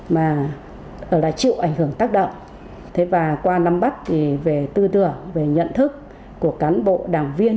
mà là chịu ảnh hưởng tác động thế và qua nắm bắt về tư tưởng về nhận thức của cán bộ đảng viên